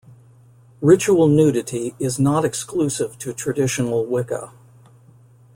Ritual nudity is not exclusive to traditional Wicca.